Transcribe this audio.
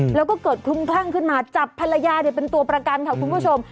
แล้วก็เกิดคลุมคลั่งขึ้นมาจับภรรยาเป็นตัวประกันค่ะคุณผู้ชม